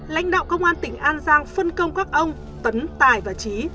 lãnh đạo công an tỉnh an giang phân công các ông tấn tài và trí